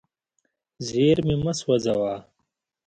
زیرمې مه سوځوه.